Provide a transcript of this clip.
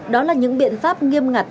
đó là những biện pháp nghiêm ngặt